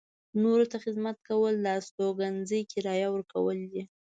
نورو ته خدمت کول د استوګنځي کرایه ورکول دي.